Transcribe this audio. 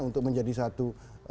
untuk menjadi satu